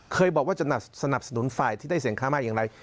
เคยบอกว่าจะสนับสนุนฝ่ายที่ได้เสียงข้างมากอย่างไร